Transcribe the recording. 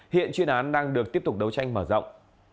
hiện chuyên án đang được tiếp tục đấu tranh mở rộng